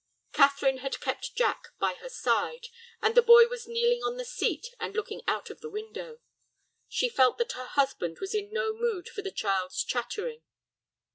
Catherine had kept Jack by her side, and the boy was kneeling on the seat and looking out of the window. She felt that her husband was in no mood for the child's chattering.